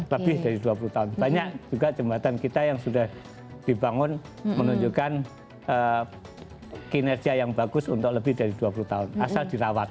lebih dari dua puluh tahun banyak juga jembatan kita yang sudah dibangun menunjukkan kinerja yang bagus untuk lebih dari dua puluh tahun asal dirawat